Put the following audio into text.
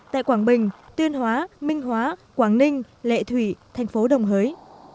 tại quảng bình tuyên hóa minh hóa quảng ninh lệ thủy tp đồng hới